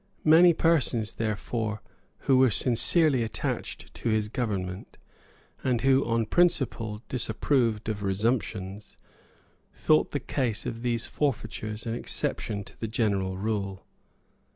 Many persons, therefore, who were sincerely attached to his government, and who on principle disapproved of resumptions, thought the case of these forfeitures an exception to the general rule.